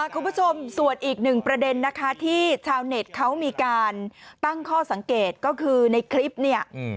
คุณผู้ชมส่วนอีกหนึ่งประเด็นนะคะที่ชาวเน็ตเขามีการตั้งข้อสังเกตก็คือในคลิปเนี่ย